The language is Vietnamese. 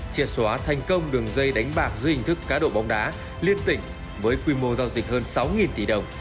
triệt xóa thành công đường dây đánh bạc dưới hình thức cá độ bóng đá liên tỉnh với quy mô giao dịch hơn sáu tỷ đồng